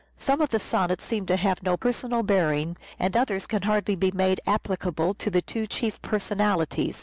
Some of the Sonnets seem to have no personal bearing and others can hardly be made applicable to the two chief personalities.